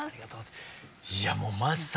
いやもうまさに。